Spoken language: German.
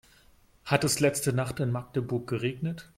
Hat es letzte Nacht in Magdeburg geregnet?